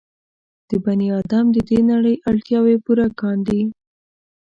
د بني ادم د دې نړۍ اړتیاوې پوره کاندي.